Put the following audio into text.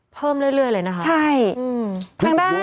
เพิ่มเรื่อยเลยนะคะ